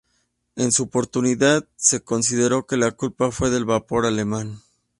En su oportunidad, se consideró que la culpa fue del vapor alemán.